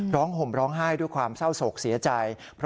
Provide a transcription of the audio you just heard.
ห่มร้องไห้ด้วยความเศร้าโศกเสียใจ